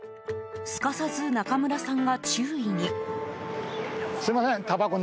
すかさず中村さんが注意に。